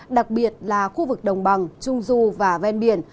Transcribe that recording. đặc biệt là khu vực đồng bằng trung du và ven biển